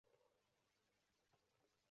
Kechki taomdan so`ng barchamiz masjidga ketdik